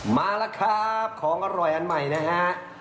มาแล้วครับของอร่อยอันใหม่นะฮะ